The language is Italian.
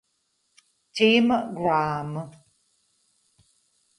Tim Graham